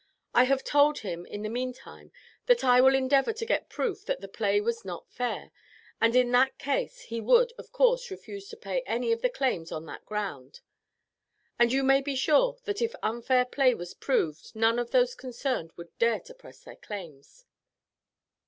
I have told him in the meantime that I will endeavor to get proof that the play was not fair, and in that case he would, of course, refuse to pay any of the claims on that ground; and you may be sure that if unfair play was proved none of those concerned would dare to press their claims."